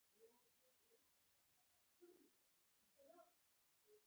باز د ښکار پر وخت غوسه نه کوي